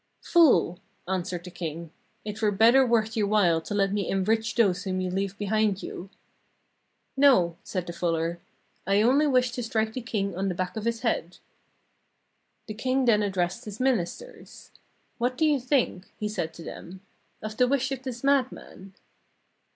' Fool !' answered the king, 'it were better worth your while to let me enrich those whom you leave behind you.' 'No,' said the fuller; 'I only wish to strike the king on the back of his head.' 510 AL MAHDI AND THE TWO WISHES "The king then addressed his ministers: 'What do you think,' he said to them, *of the wish of this madman?'